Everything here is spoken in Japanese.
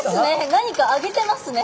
何か揚げてますね。